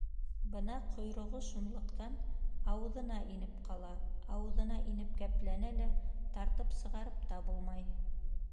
Бына ҡойроғо шунлыҡтан ауыҙына инеп ҡала — ауыҙына инеп кәпләнә лә, тартып сығарып та булмай.